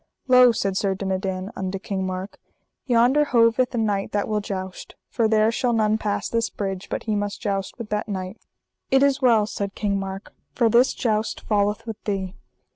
Lo, said Sir Dinadan unto King Mark, yonder hoveth a knight that will joust, for there shall none pass this bridge but he must joust with that knight. It is well, said King Mark, for this jousts falleth with thee.